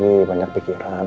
lagi banyak pikiran